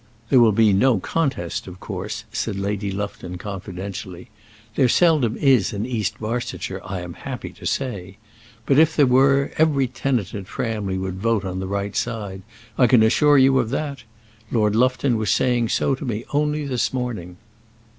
"There will be no contest, of course," said Lady Lufton, confidentially. "There seldom is in East Barsetshire, I am happy to say. But if there were, every tenant at Framley would vote on the right side; I can assure you of that. Lord Lufton was saying so to me only this morning."